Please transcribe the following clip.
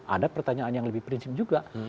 ada pertanyaan yang lebih prinsip juga